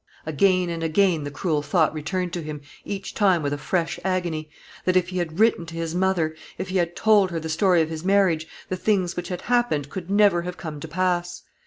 Again and again the cruel thought returned to him, each time with a fresh agony, that if he had written to his mother, if he had told her the story of his marriage, the things which had happened could never have come to pass.